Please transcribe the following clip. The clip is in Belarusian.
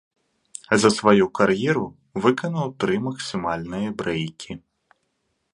За сваю кар'еру выканаў тры максімальныя брэйкі.